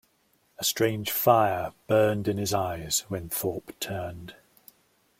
A strange fire burned in his eyes when Thorpe turned.